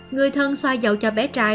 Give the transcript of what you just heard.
người thân xoa dầu cho bé trai